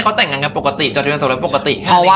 เราไม่ได้แบบว่าฉันอยากมีผัว